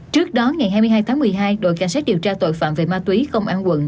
trước đó ngày hai mươi hai tháng một mươi hai đội cảnh sát điều tra tội phạm về ma túy công an quận